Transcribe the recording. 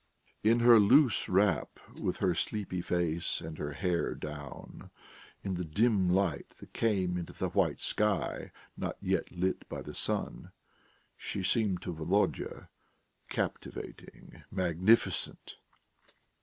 In her loose wrap, with her sleepy face and her hair down, in the dim light that came into the white sky not yet lit by the sun, she seemed to Volodya captivating, magnificent....